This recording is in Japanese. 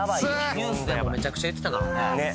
ニュースでもめちゃくちゃ言ってたからねねえ